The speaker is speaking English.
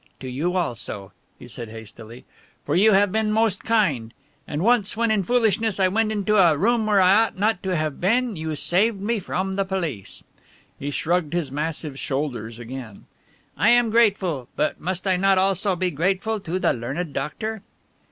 To you, also," he said hastily, "for you have been most kind, and once when in foolishness I went into a room where I ought not to have been you saved me from the police." He shrugged his massive shoulders again. "I am grateful, but must I not also be grateful to the learned doctor?"